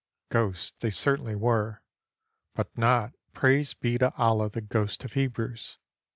Ghosts they certainly were, but not, praise be to Allah! the ghosts of Hebrews.